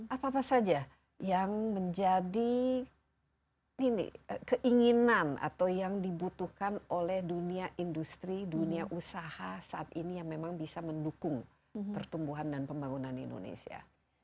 apa apa saja yang menjadi keinginan atau yang dibutuhkan oleh dunia industri dunia usaha saat ini yang memang bisa mendukung pertumbuhan dan pembangunan indonesia